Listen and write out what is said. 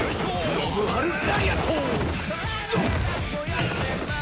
ノブハルラリアット！